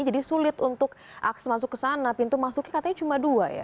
jadi sulit untuk masuk ke sana pintu masuknya katanya cuma dua ya